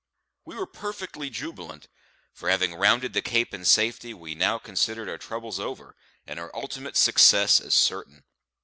We were perfectly jubilant; for having rounded the Cape in safety we now considered our troubles over and our ultimate success as certain.